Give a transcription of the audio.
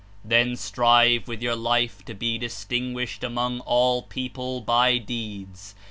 Then strive zvith your life to be distiui^uished amon^ all people by deeds.